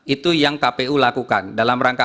itu yang kpu lakukan dalam rangka